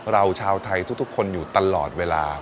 ชาวไทยทุกคนอยู่ตลอดเวลา